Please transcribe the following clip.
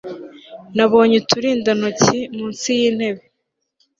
nabonye uturindantoki munsi y'intebe